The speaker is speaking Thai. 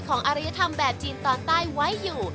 ของอรยธรรมแบบจีนต่อใต้ไว้อยู่